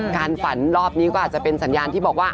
การฝันรอบนี้ก็อาจจะเป็นสัญญาณที่บอกว่า